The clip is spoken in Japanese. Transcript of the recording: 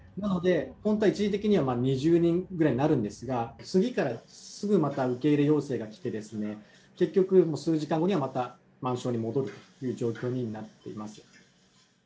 一時的に２０人ぐらいにはなるんですが、次からすぐまた受け入れ要請が来てですね、結局、数時間後にはまた満床に戻るという状況になっています。